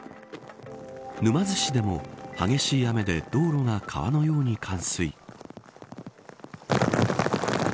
沼津市でも激しい雨で道路が川のように冠水。